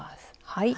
はい。